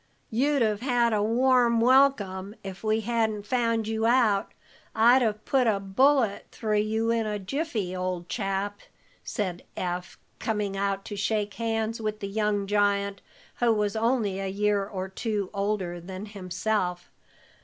"You'd have had a warm welcome if we hadn't found you out. I'd have put a bullet through you in a jiffy, old chap," said Eph, coming out to shake hands with the young giant, who was only a year or two older than himself.